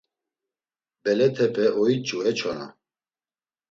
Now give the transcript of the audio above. Belet̆epe oiç̌u e çona!